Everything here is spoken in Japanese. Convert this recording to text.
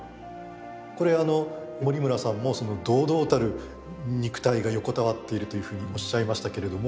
これあの森村さんも堂々たる肉体が横たわっているというふうにおっしゃいましたけれども。